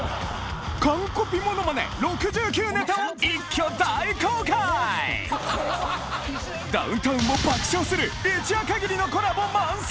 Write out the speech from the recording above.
完コピモノマネ６９ネタを一挙大公開！ダウンタウンも爆笑する一夜限りのコラボ満載！